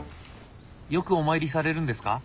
よくお参りされるんですか？